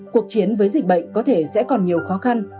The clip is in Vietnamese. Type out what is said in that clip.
cuộc chiến với dịch bệnh có thể sẽ còn nhiều khó khăn